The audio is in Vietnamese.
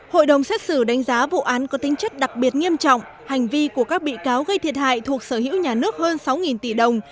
hội đồng xét xử đánh giá vụ án có tính chất đặc biệt nghiêm trọng hành vi của các bị cáo gây thiệt hại thuộc sở hữu nhà nước hơn sáu tỷ đồng